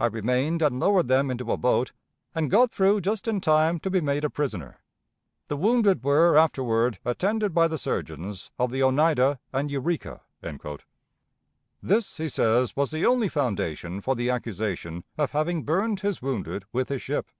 I remained and lowered them into a boat, and got through just in time to be made a prisoner. The wounded were afterward attended by the surgeons of the Oneida and Eureka." This, he says, was the only foundation for the accusation of having burned his wounded with his ship.